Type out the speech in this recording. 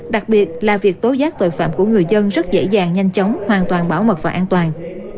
đặc biệt là việc tố giác tội phạm của người dân rất dễ dàng nhanh chóng hoàn toàn bảo mật và an toàn